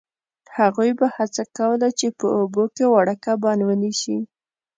هغوی به هڅه کوله چې په اوبو کې واړه کبان ونیسي